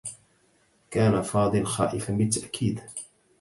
كان فاضل خائفا بالتأكيد.